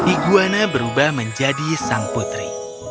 iguana berubah menjadi sang putri